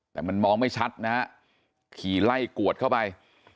แต่มันมองไม่ชัดนะฮะขี่ไล่กวดเข้าไป